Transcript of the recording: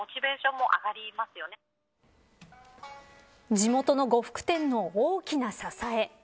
地元の呉服店の大きな支え。